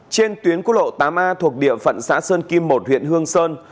trên tuyến quốc lộ tám a thuộc địa phận xã sơn kim một huyện hương sơn